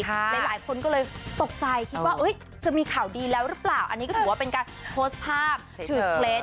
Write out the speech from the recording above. หลายคนก็เลยตกใจคิดว่าจะมีข่าวดีแล้วหรือเปล่าอันนี้ก็ถือว่าเป็นการโพสต์ภาพถือเคล็ด